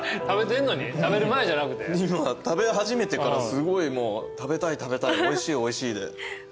今食べ始めてからすごいもう食べたい食べたいおいしいおいしいで。